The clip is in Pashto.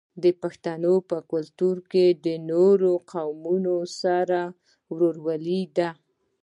د پښتنو په کلتور کې د نورو قومونو سره ورورولي ده.